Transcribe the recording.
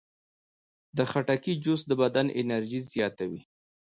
د خټکي جوس د بدن انرژي زیاتوي.